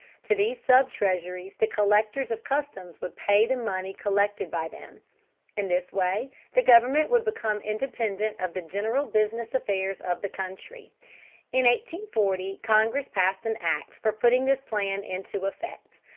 To these sub treasuries the collectors of customs would pay the money collected by them. In this way the government would become independent of the general business affairs of the country. In 1840 Congress passed an act for putting this plan into effect.